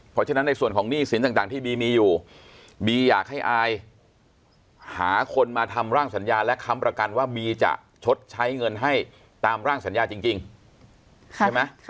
เพราะฉะนั้นในส่วนของหนี้สินต่างที่บีมีอยู่บีอยากให้อายหาคนมาทำร่างสัญญาและค้ำประกันว่าบีจะชดใช้เงินให้ตามร่างสัญญาจริงใช่ไหม